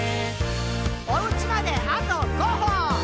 「おうちまであと５歩！」